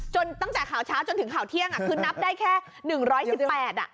จนตั้งจากข่าวเช้าจนถึงข่าวเที่ยงอ่ะคือนับได้แค่หนึ่งร้อยสิบแปดอ่ะ